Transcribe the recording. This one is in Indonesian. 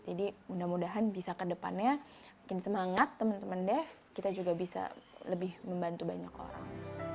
jadi mudah mudahan bisa ke depannya semangat teman teman deaf kita juga bisa lebih membantu banyak orang